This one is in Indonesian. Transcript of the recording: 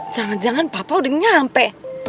jangan jangan papa udah nyampe